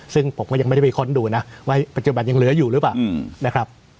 ซึ่งผมก็ยังไม่ได้ไปค้นดูนะว่าปัจจุบันยังเหลืออยู่หรือเปล่านะครับ